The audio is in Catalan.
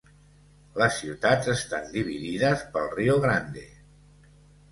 Les ciutats estan dividides pel Riu Grande.